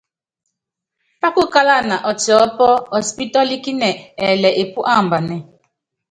Pákukálana ɔtiɔ́pɔ́, ɔtipítɔ́líkínɛ, ɛɛlɛ epú ambanɛ́ɛ.